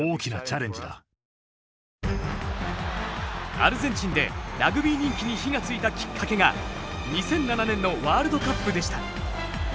アルゼンチンでラグビー人気に火がついたきっかけが２００７年のワールドカップでした。